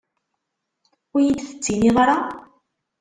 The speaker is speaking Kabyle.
Ur iyi-d-tettinid ara?